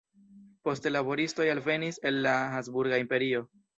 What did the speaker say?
Poste laboristoj alvenis el la Habsburga Imperio.